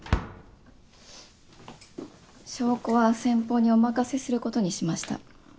証拠は先方にお任せすることにしました。